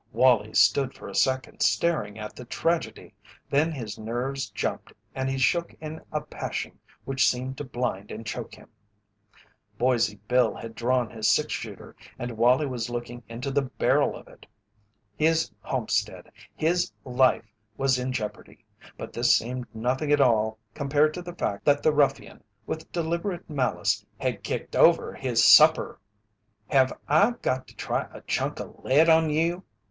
Wallie stood for a second staring at the tragedy. Then his nerves jumped and he shook in a passion which seemed to blind and choke him. Boise Bill had drawn his six shooter and Wallie was looking into the barrel of it. His homestead, his life, was in jeopardy, but this seemed nothing at all compared to the fact that the ruffian, with deliberate malice, had kicked over his supper! "Have I got to try a chunk o' lead on you?"